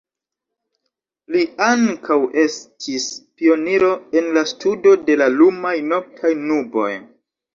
Li ankaŭ estis pioniro en la studo de la lumaj noktaj nuboj.